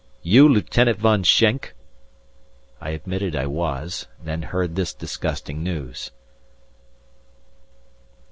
"You Lieutenant Von Schenk?" I admitted I was, and then heard this disgusting news.